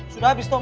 sudah habis dong